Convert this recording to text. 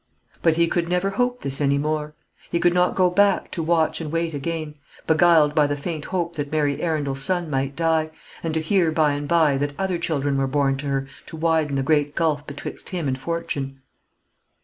But he could never hope this any more; he could not go back to watch and wait again, beguiled by the faint hope that Mary Arundel's son might die, and to hear by and by that other children were born to her to widen the great gulf betwixt him and fortune.